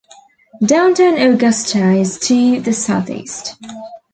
Downtown Augusta is to the southeast.